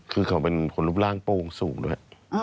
คือเขาเป็นคนรูปร่างโป้งสูงด้วย